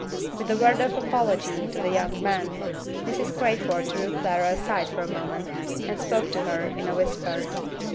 With a word of apology to the young man, Mrs. Crayford drew Clara aside for a moment, and spoke to her in a whisper.